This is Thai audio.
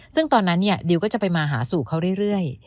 ซึ่งตอนนั้นเนี่ยดิวก็จะไปมาหาสู่เขาเรื่อย